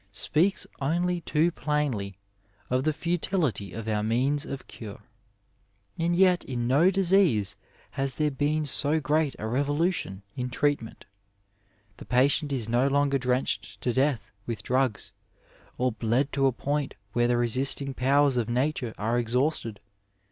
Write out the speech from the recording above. speaks only too plainly of the futility of our means of cure, and yet in no disease has there been so great a revolution in treatment; The patient is no longer drenched to death with drugs, or bled to a point where the resisting powers of nature are exhausted.